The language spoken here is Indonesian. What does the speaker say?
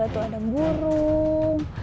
tuh ada burung